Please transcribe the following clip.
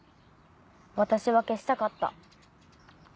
私は消したかった。